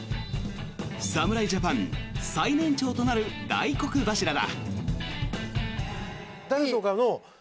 侍ジャパン最年長となる大黒柱だ。